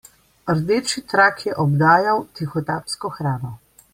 Rdeči trak je obdajal tihotapsko hrano.